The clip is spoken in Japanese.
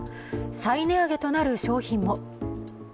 再値上げとなる商品も。